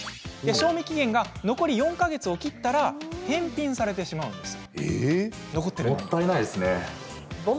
賞味期限が残り４か月を切ったら返品されてしまうんです。